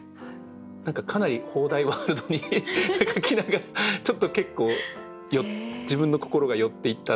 何かかなり「方代ワールド」に書きながらちょっと結構自分の心が寄っていったところがあって。